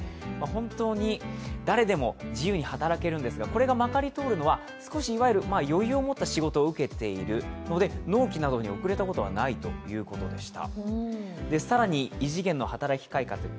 これがまかり通るのは少し余裕を持った仕事を受けているので納期などに遅れたことはないということでした。